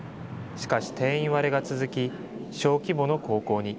しかし、定員割れが続き、小規模の高校に。